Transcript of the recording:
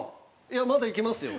いやまだいけますよ。